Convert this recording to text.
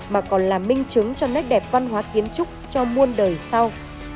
mà còn là minh chứng cho nét đẹp văn hóa kiến trúc cho muôn đời sau